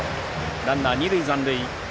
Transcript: ランナーは二塁残塁。